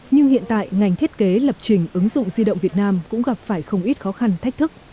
nhưng hiện tại ngành thiết kế lập trình ứng dụng di động việt nam cũng gặp phải không ít khó khăn thách thức